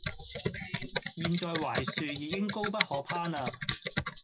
現在槐樹已經高不可攀了，